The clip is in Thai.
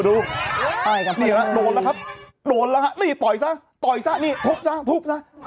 โดนแล้วครับโดนแล้วครับนี่ต่อยซะต่อยซะทุบซะทุบซะ